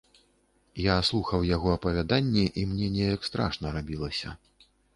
Я слухаў яго апавяданні, і мне неяк страшна рабілася.